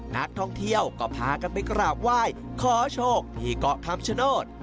นักท่องเที่ยวก็พากันไปกราบไหว้ขอโชคที่เกาะคำชโนธ